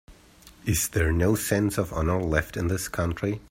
Is there no sense of honor left in this country?